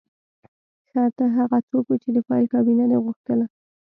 ښه ته هغه څوک وې چې د فایل کابینه دې غوښتله